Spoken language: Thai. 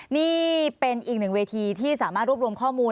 นี่เป็นอีกหนึ่งเวทีที่สามารถรวบรวมข้อมูล